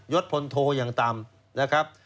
ยศพลโทอย่างต่ำ